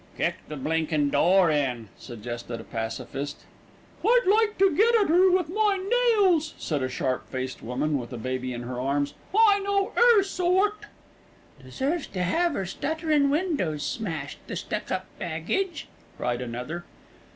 "Kick the blinkin' door in," suggested a pacifist. "I'd like to get at 'er with my nails," said a sharp faced woman with a baby in her arms. "I know 'er sort." "Deserves to 'ave 'er stutterin' windows smashed, the stuck up baggage!" cried another.